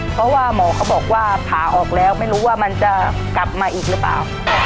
เพราะว่าหมอเขาบอกว่าผ่าออกแล้วไม่รู้ว่ามันจะกลับมาอีกหรือเปล่า